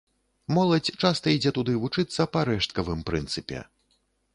Моладзь часта ідзе туды вучыцца па рэшткавым прынцыпе.